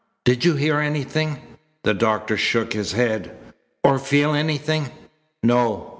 "Did you hear anything?" The doctor shook his head. "Or feel anything?" "No."